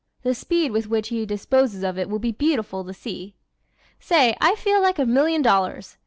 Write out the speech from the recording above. The speed with which he disposes of it will be beautiful to see! "Say, I feel like a million dollars!"